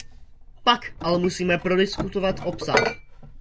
Pak ale musíme prodiskutovat obsah.